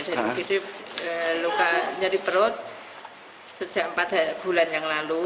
dari ugd lukanya di perut sejak empat bulan yang lalu